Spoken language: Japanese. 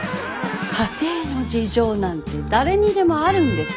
家庭の事情なんて誰にでもあるんです。